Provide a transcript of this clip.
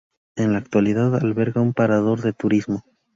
En la actualidad alberga un Parador de Turismo.